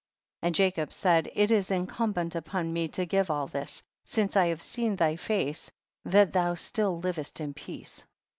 63. And Jacob said, it is incum bent upon me to give all this, since I have seen thy face, that thou still livest in peace.